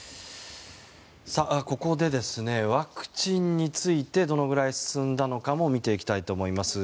ここでワクチンについてどのぐらい進んだのかも見ていきたいと思います。